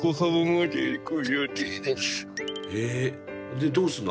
でどうするの？